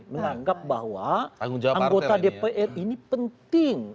menganggap bahwa anggota dpr ini penting